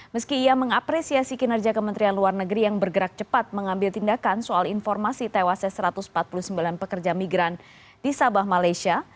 meski ia mengapresiasi kinerja kementerian luar negeri yang bergerak cepat mengambil tindakan soal informasi tewasnya satu ratus empat puluh sembilan pekerja migran di sabah malaysia